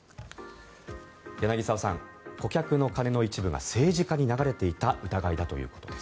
柳澤さん、顧客の金の一部が政治家に流れていた疑いがあるということです。